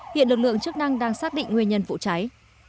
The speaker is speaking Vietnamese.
hiện lực lượng chức năng đang xác định nguyên nhân vụ cháy